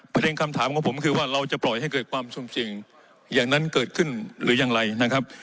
คำถามของผมคือว่าเราจะปล่อยให้เกิดความสุ่มเสี่ยงอย่างนั้นเกิดขึ้นหรือยังไรนะครับ